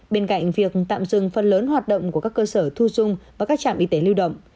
bên cạnh việc tạm dừng phần lớn hoạt động của các cơ sở thu dung và các trạm y tế lưu động